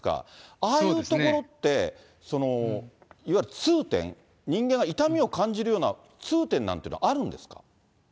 ああいうところって、いわゆる痛点、人間が痛みを感じるような痛点なんていうのはあるんですか。